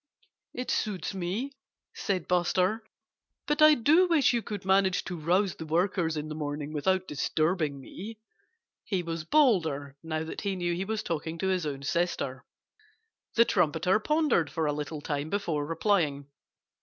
"It suits me," said Buster. "But I do wish you could manage to rouse the workers in the morning without disturbing me." He was bolder, now that he knew he was talking to his own sister. The trumpeter pondered for a little time before replying.